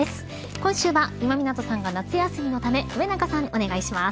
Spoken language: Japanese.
今週は今湊さんが夏休みのため上中さん、お願いします。